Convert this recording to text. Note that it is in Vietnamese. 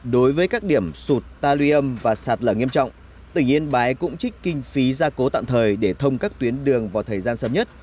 đối với các điểm sụt tali âm và sạt lở nghiêm trọng tỉnh yên bái cũng trích kinh phí gia cố tạm thời để thông các tuyến đường vào thời gian sớm nhất